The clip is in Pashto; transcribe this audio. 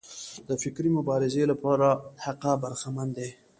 د فکري مبارزې له حقه برخمن دي.